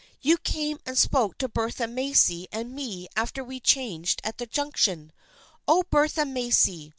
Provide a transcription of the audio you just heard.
You came and spoke to Bertha Macy and me after we changed at the Junction. Oh, Bertha Macy